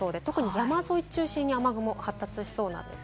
山沿いを中心に雨雲が発達しそうです。